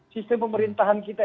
sistem pemerintahan kita